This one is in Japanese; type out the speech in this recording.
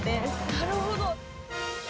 なるほど。